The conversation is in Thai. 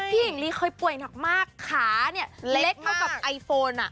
พี่หญิงรีเคยป่วยหนักมากขาเล็กเท่ากับอายโฟน